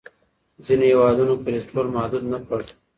ځینو هېوادونو کلسترول محدود نه کړ.